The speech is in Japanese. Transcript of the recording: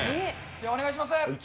お願いします。